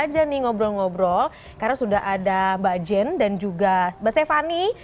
aja nih ngobrol ngobrol karena sudah ada mbak jen dan juga mbak stephani